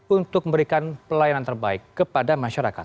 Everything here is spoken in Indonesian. untuk memberikan pelayanan terbaik kepada masyarakat